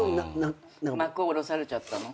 幕下ろされちゃったの？